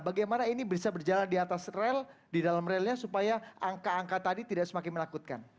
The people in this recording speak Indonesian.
bagaimana ini bisa berjalan di atas rel di dalam relnya supaya angka angka tadi tidak semakin menakutkan